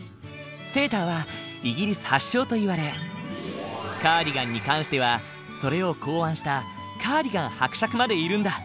セーターはイギリス発祥といわれカーディガンに関してはそれを考案したカーディガン伯爵までいるんだ。